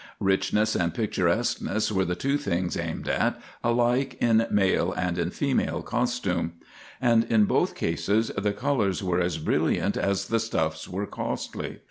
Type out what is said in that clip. Richness and picturesqueness were the two things aimed at alike in male and in female costume; and in both cases the colors were as brilliant as the stuffs were costly.